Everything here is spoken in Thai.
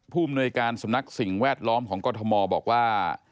ภูมิหน่วยการสำนักสิ่งแวดล้อมของกรทมบอกว่า